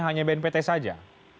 hanya bnpt saja